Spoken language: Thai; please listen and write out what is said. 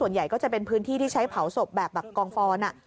ทางผู้ชมพอเห็นแบบนี้นะทางผู้ชมพอเห็นแบบนี้นะ